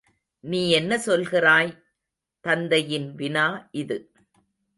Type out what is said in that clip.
நீ என்ன சொல்கிறாய்? தந்தையின் வினா இது.